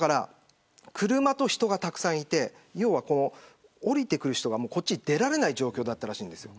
車と人がたくさんいて要は下りてくる人がこちらに出られない状況だったそうです。